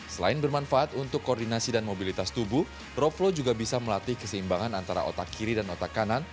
selain bermanfaat untuk koordinasi dan mobilitas tubuh rope flow juga bisa melatih keseimbangan antara otak kiri dan otak kanan